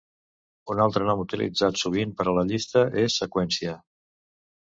Un altre nom utilitzat sovint per a llista és seqüència.